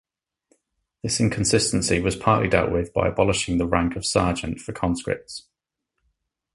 This inconsistency was partly dealt with by abolishing the rank of sergeant for conscripts.